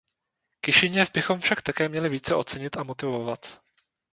Kišiněv bychom však také měli více ocenit a motivovat.